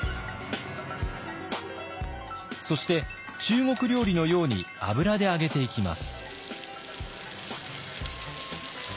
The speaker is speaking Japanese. そして中国料理のように油で揚げていきます。